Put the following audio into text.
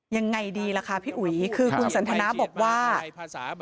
ยังไงดีล่ะคะพี่อุ๋ยคือคุณสันทนาบอกว่า